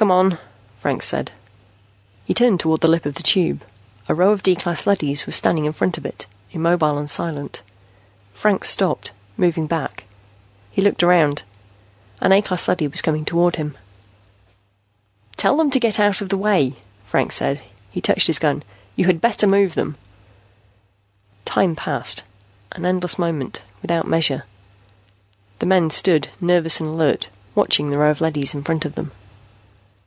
"Come on," Franks said. He turned toward the lip of the Tube. A row of D class leadys was standing in front of it, immobile and silent. Franks stopped, moving back. He looked around. An A class leady was coming toward him. "Tell them to get out of the way," Franks said. He touched his gun. "You had better move them." Time passed, an endless moment, without measure. The men stood, nervous and alert, watching the row of leadys in front of them.